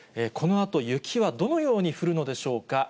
このあと、雪はどのように降るのでしょうか。